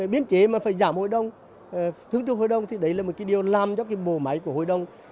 biên chế mà phải giảm hội đồng thương trực hội đồng thì đấy là một cái điều làm cho cái bộ máy của hội đồng